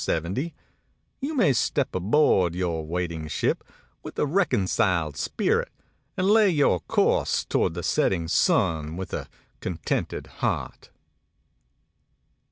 70, you may step aboard your waiting ship with a reconciled spirit, and lay your course toward the setting sun with a contented heart."